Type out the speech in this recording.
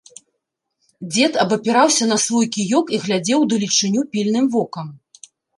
Дзед абапіраўся на свой кіёк і глядзеў у далечыню пільным вокам.